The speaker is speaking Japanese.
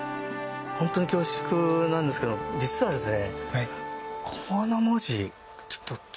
本当に恐縮なんですけど実はですね。